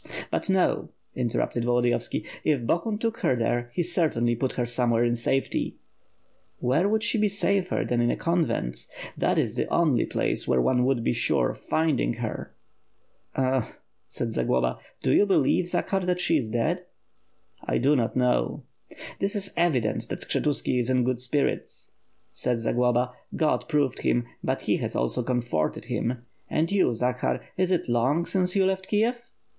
"But no," interrupted Volodiyovski, "if Bohun took her there, he certainly put her somewhere in safety." "Where would she be safer than in a convent? That is the only place where one would be sure of finding her." "Ugh!" said Zagloba. "Do you believe Zakhar, that she is dead?" "I do not know." "It is evident that Skshetuski is in good spirits," said Zagloba, "God proved him, but he has also comforted him. And you, Zakhar, is it long since you left Kiev?"